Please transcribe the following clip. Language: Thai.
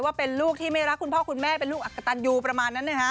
ว่าเป็นลูกที่ไม่รักคุณพ่อคุณแม่เป็นลูกอักกะตันยูประมาณนั้นนะฮะ